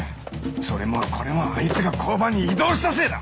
それもこれもあいつが交番に異動したせいだ！